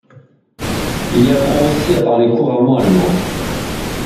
Il y apprend aussi à parler couramment allemand.